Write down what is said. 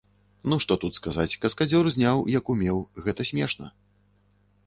Ну што тут сказаць, каскадзёр зняў, як умеў, гэта смешна.